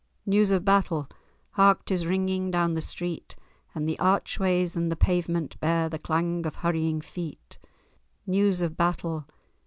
news of battle! Hark! 'tis ringing down the street: And the archways and the pavement Bear the clang of hurrying feet. News of battle!